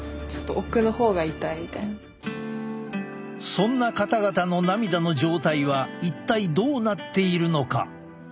そんな方々の涙の状態は一体どうなっているのか？